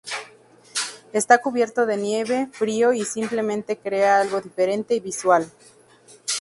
Está cubierto de nieve, frío, y simplemente crea algo diferente y visual.